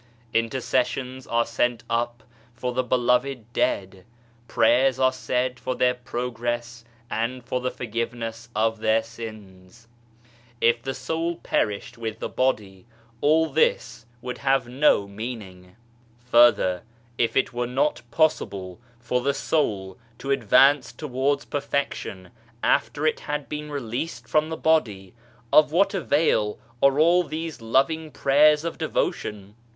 Intercessions are sent up for the beloved dead, prayers are said for their progress and for the forgiveness of their sins. If the soul perished with the body all this would have no meaning. Further, if it were not possible for the Soul to advance towards perfection after it had been released from the body, of what avail are all these loving prayers of devotion